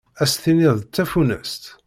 Ad s-tiniḍ d tafunast.